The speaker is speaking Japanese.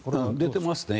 出ていますね。